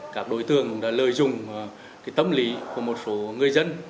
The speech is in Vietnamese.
các đối tượng đã lợi dụng tâm lý của một số người dân